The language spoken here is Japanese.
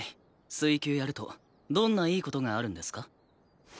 水球やるとどんないい事があるんですか？